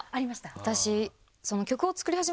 私。